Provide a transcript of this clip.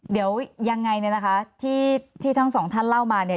เดี๋ยวยังไงเนี่ยนะคะที่ทั้งสองท่านเล่ามาเนี่ย